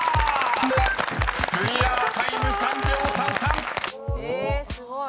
［クリアタイム３秒３３］えすごい。